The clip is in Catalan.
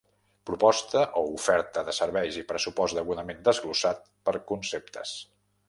Proposta o oferta de serveis i pressupost degudament desglossat per conceptes.